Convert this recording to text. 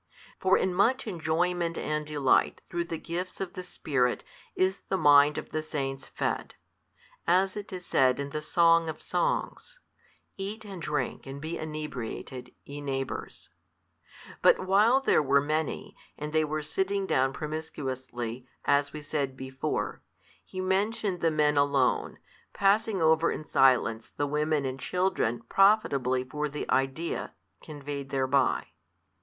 For in much enjoyment and delight through the gifts of the Spirit is the mind of the Saints fed, as it is said in the Song of Songs, Eat and drink and he inebriated, ye neighbours. But while there were many, and they sitting down promiscuously, as we said before, he mentioned the men alone, passing over in silence the women and children profitably for the idea [conveyed thereby].